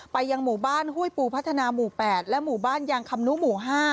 ไปยังหมู่บ้านห้วยปูพัฒนาหมู่๘และหมู่บ้านยางคำนุหมู่๕